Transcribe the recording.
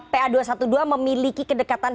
pa dua ratus dua belas memiliki kedekatan